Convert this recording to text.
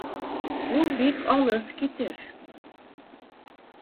Ул бик алыҫ китер